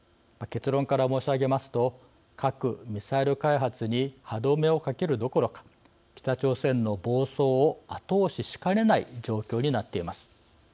結論から申し上げますと核・ミサイル開発に歯止めをかけるどころか北朝鮮の暴走を後押ししかねない状況になっています。